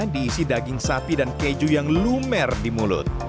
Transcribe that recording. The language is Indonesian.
diisi daging sapi dan keju yang lumer di mulut